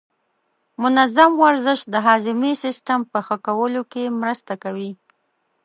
منظم ورزش د هاضمې سیستم په ښه کولو کې مرسته کوي.